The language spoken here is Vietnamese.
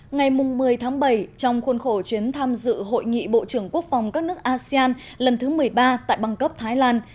ngày một mươi tháng bảy trong khuôn khổ chuyến tham dự hội nghị bộ trưởng quốc phòng các nước asean lần thứ một mươi ba tại bangkok thái lan